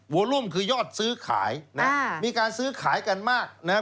โวลุมคือยอดซื้อขายนะมีการซื้อขายกันมากนะฮะ